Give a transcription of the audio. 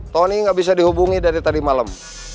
tony nggak bisa dihubungi dari tadi malam